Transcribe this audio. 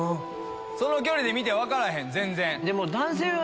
その距離で見て分からへん？